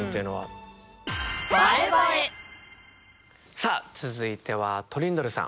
さあ続いてはトリンドルさん。